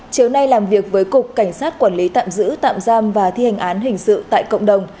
chiều nay làm việc với cục cảnh sát quản lý tạm giữ tạm giam và thi hành án hình sự tại cộng đồng